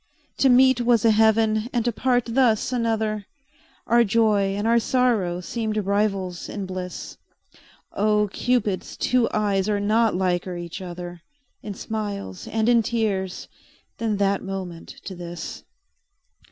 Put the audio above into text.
To meet was a heaven and to part thus another, Our joy and our sorrow seemed rivals in bliss; Oh! Cupid's two eyes are not liker each other In smiles and in tears than that moment to this.